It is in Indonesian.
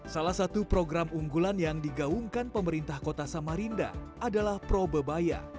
salah satu program unggulan yang digaungkan pemerintah kota samarinda adalah probebaya